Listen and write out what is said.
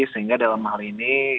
sehingga dalam hal ini